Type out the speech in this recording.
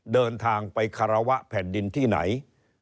เดินทางไปคารวะแผ่นดินที่ไหน